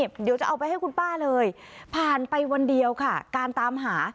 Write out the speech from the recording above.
เดี๋ยวจะเอาไปให้คุณป้าเลยผ่านไปวันเดียวค่ะการตามหา